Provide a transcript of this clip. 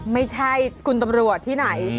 ไม่ใช่คุณตำรวจที่ไหน